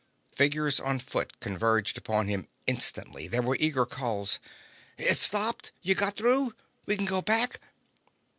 Figures on foot converged upon him instantly. There were eager calls. "It's stopped? You got through? We can go back?"